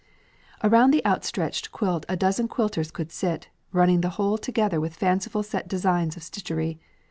"Around the outstretched quilt a dozen quilters could sit, running the whole together with fanciful set designs of stitchery.